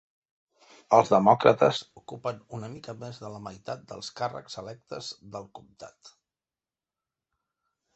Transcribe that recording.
Els demòcrates ocupen una mica més de la meitat dels càrrecs electes del comtat.